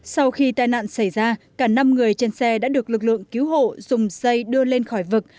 sau khi tai nạn xảy ra cả năm người trên xe đã được lực lượng cứu hộ dùng dây đưa lên khỏi vực